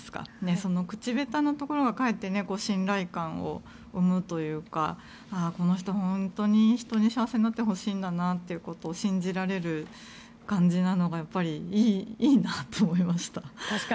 その口下手なところがかえって信頼感を生むというかこの人は本当に人に幸せになってほしいんだなと信じられる感じなのがいいなと思いました。